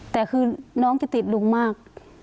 แต่คือน้องจะติดลุงมาก